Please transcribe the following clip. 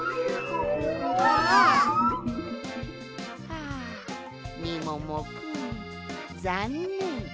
はあみももくんざんねん。